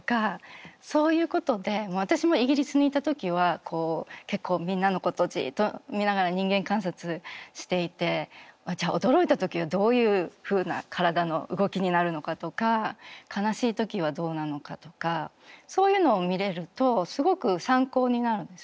私もイギリスにいた時は結構みんなのことをじっと見ながら人間観察していて驚いた時はどういうふうな体の動きになるのかとか悲しい時はどうなのかとかそういうのを見れるとすごく参考になるんですよね。